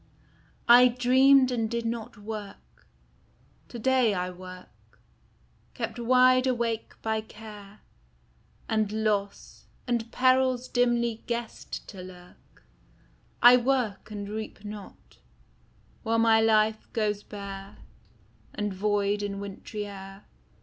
I dreamed and did not work: to day I work, Kept wide awake by care And loss, and perils dimly guessed to lurk: I work and reap not, while my life goes bare And void in wintry air.